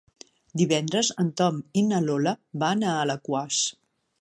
Divendres en Tom i na Lola van a Alaquàs.